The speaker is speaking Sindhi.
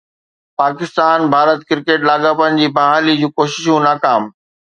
پاڪستان-ڀارت ڪرڪيٽ لاڳاپن جي بحاليءَ جون ڪوششون ناڪام